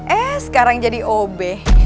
eh sekarang jadi ob